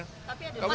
tapi ada masalah